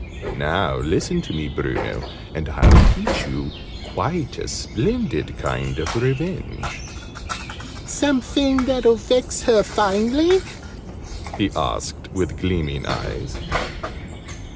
"Now listen to me, Bruno, and I'll teach you quite a splendid kind of revenge!" "Somefin that'll vex her finely?" he asked with gleaming eyes.